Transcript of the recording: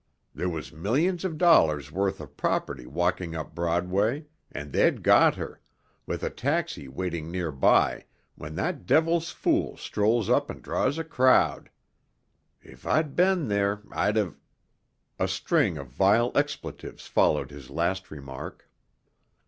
There was millions of dollars worth of property walking up Broadway, and they'd got her, with a taxi waiting near by, when that devil's fool strolls up and draws a crowd. If I'd been there I'd have " A string of vile expletives followed his last remark.